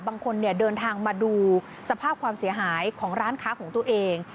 บางคนเดินทางมาดูสภาพความเสียหายของร้านค้าของตัวเอง